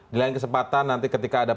di lain kesempatan nanti ketika ada